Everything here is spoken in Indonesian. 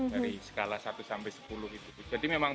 gaklah satu sampai sepuluh gitu jadi memang